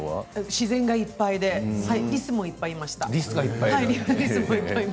自然がいっぱいでリスもいっぱいいました。